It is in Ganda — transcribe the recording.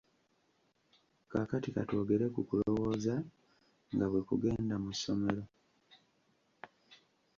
Kaakati ka twogere ku kulowooza nga bwe kugenda mu ssomero.